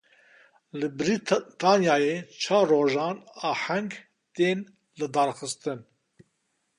Li Brîtanyayê çar rojan aheng tên lidarxistin.